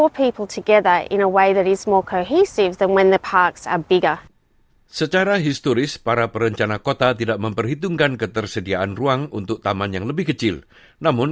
penduduk setempat tidak berpengalaman